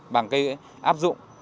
bằng cây áp dụng